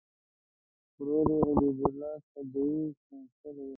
ورور یې حبیب الله قادري قونسل و.